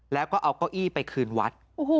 แล้วก็เอาเก้าอี้ไปคืนวัด